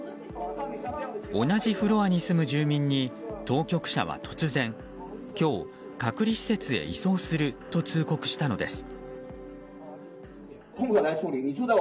同じフロアに住む住民に当局者は突然今日、隔離施設へ移送すると通告したのです。